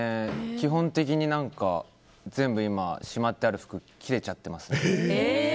基本的に全部、しまってある服は切れちゃってますね。